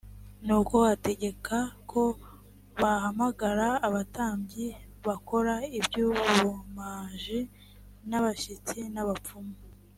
nuko ategeka ko bahamagara abatambyi bakora iby ubumaji l n abashitsi n abapfumu